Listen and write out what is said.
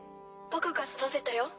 僕が育てたよ。